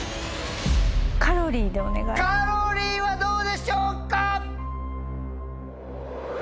カロリーはどうでしょうか？